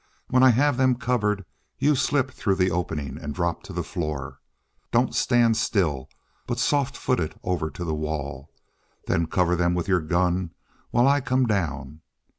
When I have them covered, you slip through the opening and drop to the floor. Don't stand still, but softfoot it over to the wall. Then cover them with your gun while I come down.